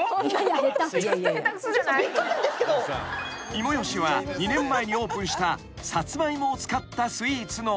［ＩＭＯＹＯＳＨＩは２年前にオープンしたサツマイモを使ったスイーツのお店］